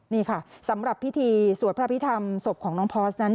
นี่ค่ะสำหรับพิธีสวดพระพิธรรมศพของน้องพอร์สนั้น